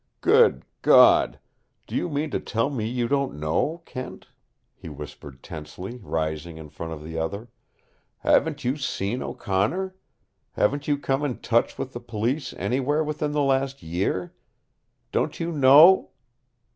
"Good God, do you mean to tell me you don't know, Kent?" he whispered tensely, rising in front of the other. "Haven't you seen O'Connor? Haven't you come in touch with the Police anywhere within the last year? Don't you know